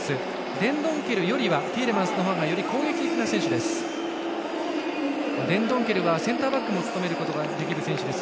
デンドンケルよりはティーレマンスのほうが攻撃的な選手です。